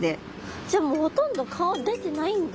じゃあもうほとんど顔出てないんだ。